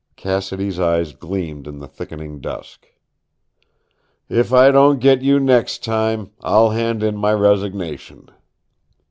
Cassidy's eyes gleamed in the thickening dusk. "If I don't get you next time I'll hand in my resignation!"